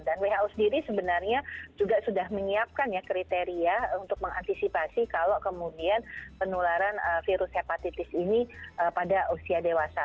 dan who sendiri sebenarnya juga sudah menyiapkan kriteria untuk mengantisipasi kalau kemudian penularan virus hepatitis ini pada usia dewasa